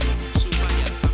untuk menjadikan keadilan